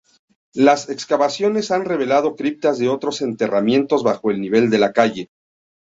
Las excavaciones han revelado criptas de otros enterramientos bajo el nivel de la calle.